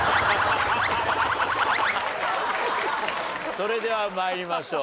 それでは参りましょう。